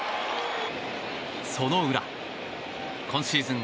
その裏、今シーズン